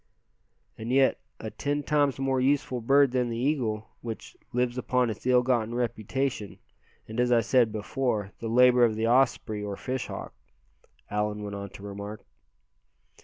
"And yet a ten times more useful bird than the eagle, which lives upon its ill gotten reputation, and as I said before, the labor of the osprey, or fish hawk," Allan went on to remark.